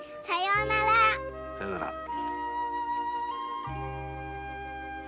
さようなら。